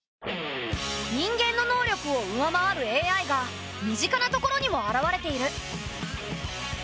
人間の能力を上回るＡＩが身近なところにも現れている。